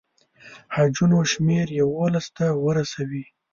حجونو شمېر یوولسو ته ورسوي.